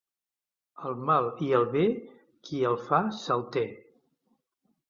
El mal i el bé, qui el fa se'l té.